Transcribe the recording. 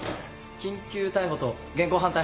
緊急逮捕と現行犯逮捕です。